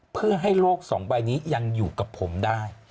เพื่อให้โลกสองใบนี้ยังอยู่กับผมได้